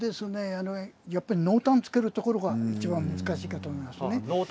やっぱり濃淡をつけるところがいちばん難しいかと思います。